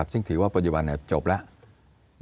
ซึ่งถือว่าปัจจุบันจบแล้ว